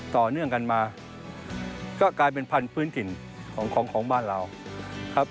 ต่อเนื่องกันมาก็กลายเป็นพันธุ์พื้นถิ่นของของบ้านเราครับ